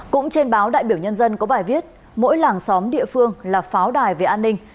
cũng trên báo đại biểu nhân dân có bài viết mỗi làng xóm địa phương là pháo đài về an ninh